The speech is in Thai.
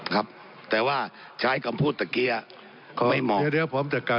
ครับแต่ว่าใช้คำพูดเมื่อกี้อ่ะ